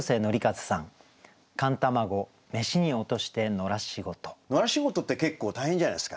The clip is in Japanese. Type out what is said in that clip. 野良仕事って結構大変じゃないですか。